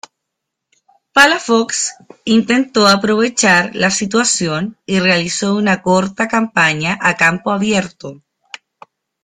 Palafox intentó aprovechar la situación y realizó una corta campaña a campo abierto.